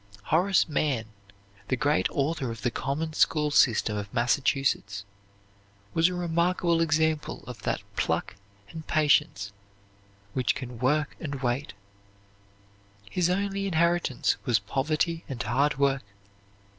Horace Mann, the great author of the common school system of Massachusetts, was a remarkable example of that pluck and patience which can work and wait. His only inheritance was poverty and hard work.